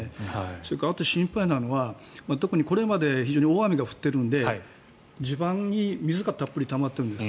それからあと心配なのは特にこれまで非常に大雨が降っているので地盤に水がたっぷりたまっているんです。